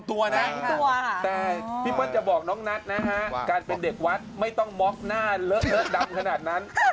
แต่พี่เปิ้ลจะบอกน้องนัทนะฮะการเป็นเด็กวัดไม่ต้องม็อกหน้าเลอะเลอะดำขนาดนั้น